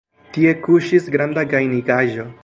Tie kuŝis granda gajnigaĵo.